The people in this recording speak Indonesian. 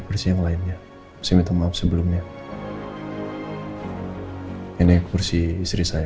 kursi yang lainnya saya minta maaf sebelumnya nenek kursi istri saya